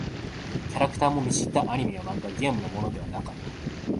キャラクターも見知ったアニメや漫画、ゲームのものではなかった。